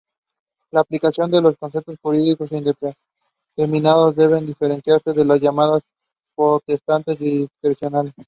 La aplicación de los conceptos jurídicos indeterminados deben diferenciarse de las llamadas potestades discrecionales.